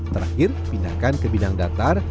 terakhir pindahkan ke binang datar